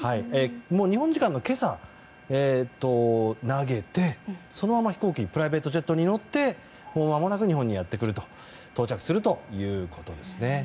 日本時間の今朝投げて、そのままプライベートジェットに乗ってもう間もなく日本に到着するということですね。